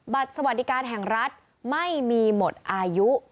สวัสดีการแห่งรัฐไม่มีหมดอายุ